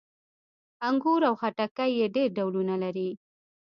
انګور او خټکي یې ډېر ډولونه لري.